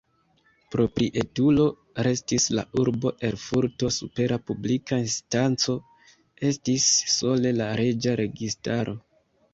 Proprietulo restis la urbo Erfurto, supera publika instanco estis sole la reĝa registaro.